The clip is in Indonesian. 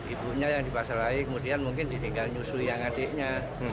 ibunya yang dipasar lagi kemudian mungkin ditinggal nyusul yang adiknya